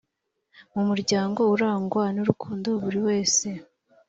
mu muryango urangwa n urukundo buri wese